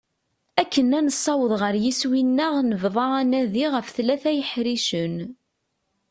Akken ad nessaweḍ ɣer yiswi-nneɣ nebḍa anadi ɣef tlata yeḥricen.